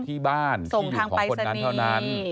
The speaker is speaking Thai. ที่บ้านของคนนั้นเท่านั้น